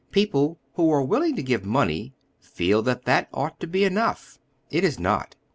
People who are willing to give money feel that that ought to be enough. It is not.